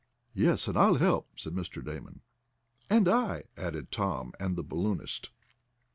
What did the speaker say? "Yes, and I'll help," said Mr. Damon. "And I," added Tom and the balloonist.